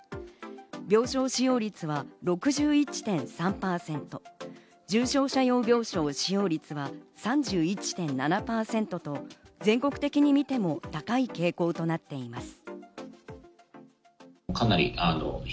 病床使用率は６１．３％、重症者用病床使用率は３１．７％と、全国的に見ても高い傾向となっています。